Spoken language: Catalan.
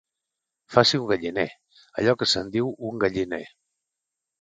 Faci un galliner, allò que se'n diu un galliner